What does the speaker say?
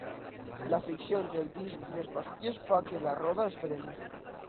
La fricció entre el disc i les pastilles fa que la roda es freni.